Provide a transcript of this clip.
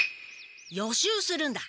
予習するんだ。